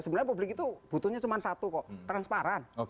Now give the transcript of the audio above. sebenarnya publik itu butuhnya cuma satu kok transparan